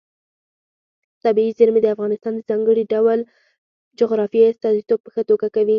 طبیعي زیرمې د افغانستان د ځانګړي ډول جغرافیې استازیتوب په ښه توګه کوي.